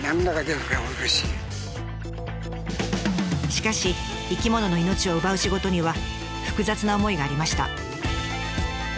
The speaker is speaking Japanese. しかし生き物の命を奪う仕事には複雑な思いがありました。